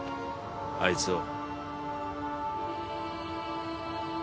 あいつを。